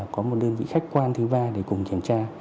có một đơn vị khách quan thứ ba để cùng kiểm tra